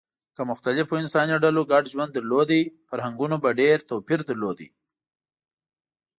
که مختلفو انساني ډلو ګډ ژوند درلود، فرهنګونو به ډېر توپیر درلود.